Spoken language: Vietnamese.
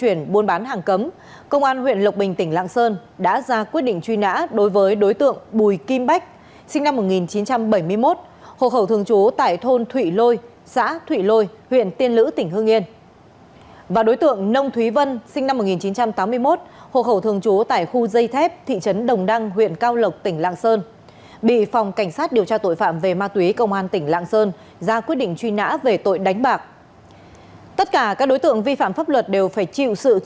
huyện hữu lâm tỉnh lạng sơn đã ra quyết định truy nã đối với đối tượng hoàng văn lâm sinh năm một nghìn chín trăm chín mươi bốn hộ khẩu thường trú tại một trăm tám mươi ba khu dây thép thị trấn đồng đăng huyện cao lộc tỉnh lạng sơn về tội bắt giam người trái pháp luật